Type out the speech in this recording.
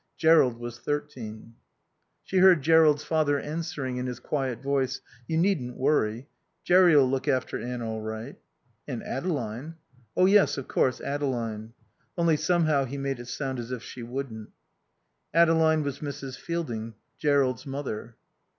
Jerrold was thirteen. She heard Jerrold's father answering in his quiet voice. "You needn't worry. Jerry'll look after Anne all right." "And Adeline." "Oh yes, of course, Adeline." (Only somehow he made it sound as if she wouldn't.) Adeline was Mrs. Fielding. Jerrold's mother.